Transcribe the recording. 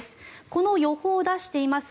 この予報を出しています